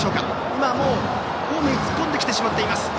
今、ホームに突っ込んできてしまっています。